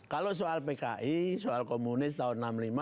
kalau soal pki soal komunis tahun enam puluh lima